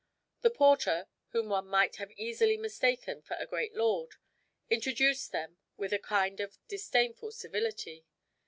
The porter, whom one might have easily mistaken for a great lord, introduced them with a kind of disdainful civility.